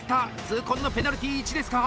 痛恨のペナルティー１ですか？